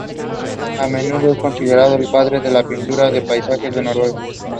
His thesis was on the Gothic language.